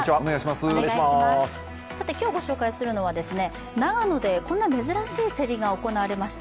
今日、ご紹介するのは長野でこんな珍しい競りが行われました。